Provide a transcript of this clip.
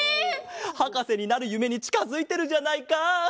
はかせになるゆめにちかづいてるじゃないか！